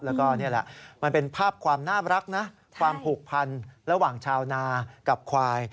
แล้วก็นี่แหละมันเป็นภาพความน่ารักนะความผูกพันระหว่างชาวนากับควาย